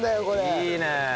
いいね！